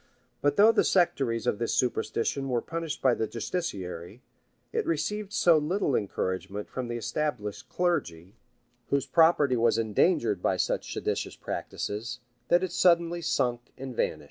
[*] But though the sectaries of this superstition were punished by the justiciary,[] it received so little encouragement from the established clergy whose property was endangered by such seditious practices, that it suddenly sunk and vanished.